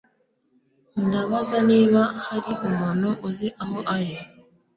Ndabaza niba hari umuntu uzi aho ari.